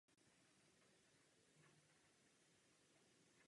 Jeho otec zahynul jako velitel partyzánského oddílu.